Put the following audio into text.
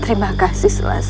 tidak ada kesalahan